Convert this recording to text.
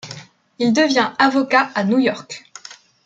Il devient avocat à New York.